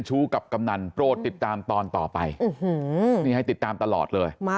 ชู้กับกำนันโปรดติดตามตอนต่อไปนี่ให้ติดตามตลอดเลย